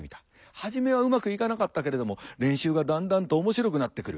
初めはうまくいかなかったけれども練習がだんだんと面白くなってくる。